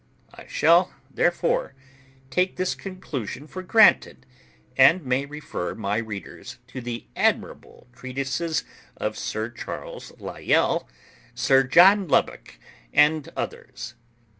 I shall, therefore, take this conclusion for granted, and may refer my readers to the admirable treatises of Sir Charles Lyell, Sir John Lubbock, and others.